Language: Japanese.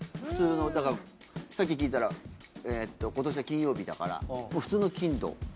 普通のだからさっき聞いたら今年は金曜日だから普通の金土。